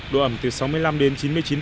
độ ẩm từ sáu mươi năm đến chín mươi chín